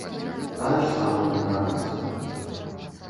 Тая ж самая дэкарацыя.